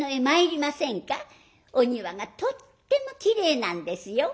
お庭がとってもきれいなんですよ」。